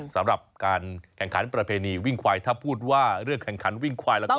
สำหรับการแข่งขันประเพณีวิ่งควายถ้าพูดว่าเรื่องแข่งขันวิ่งควายแล้วก็